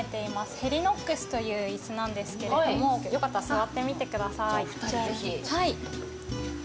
ヘリノックスという椅子なんですけども、よかったら座ってみてください。